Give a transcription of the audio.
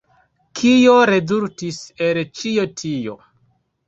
Kio rezultis el ĉio tio?